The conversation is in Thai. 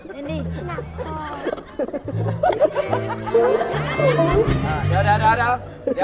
เดี๋ยว